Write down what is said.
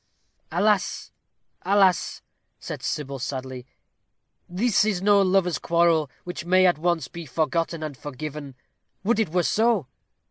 "Alas! alas!" said Sybil, sadly, "this is no lover's quarrel, which may, at once, be forgotten and forgiven would it were so!"